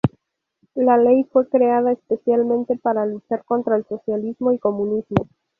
La ley fue creada especialmente para luchar contra el socialismo y comunismo.